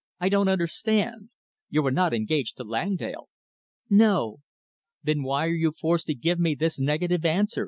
"I don't understand. You are not engaged to Langdale?" "No." "Then why are you forced to give me this negative answer?"